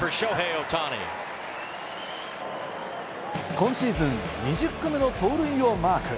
今シーズン２０個目の盗塁をマーク。